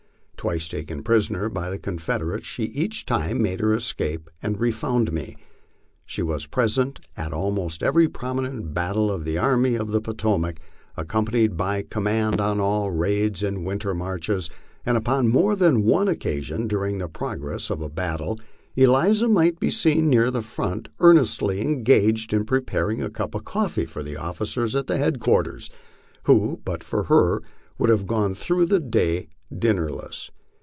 Twice taken prisoner by the Confederates, she each time made her es cape and refound me. She was present at almost every prominent battle of the Army of the Potomac, accompanied my command on all the raids and win ter marches, and upon more than one occasion during the progress of a battle Eliza might be seen near the front earnestly engaged in preparing a cup of cof fee for the officers at headquarters, who but for her would have gone through the day dinnerless.